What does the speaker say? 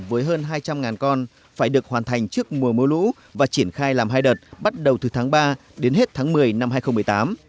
với hơn hai trăm linh con phải được hoàn thành trước mùa mưa lũ và triển khai làm hai đợt bắt đầu từ tháng ba đến hết tháng một mươi năm hai nghìn một mươi tám